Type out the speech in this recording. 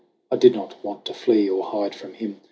I did not want to flee Or hide from him.